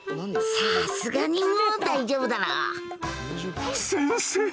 さすがにもう大丈夫だろう。先生！